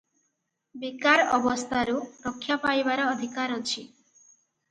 ବେକାର ଅବସ୍ଥାରୁ ରକ୍ଷା ପାଇବାର ଅଧିକାର ଅଛି ।